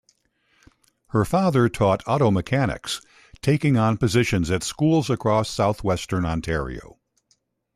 Her father taught auto mechanics, taking on positions at schools across southwestern Ontario.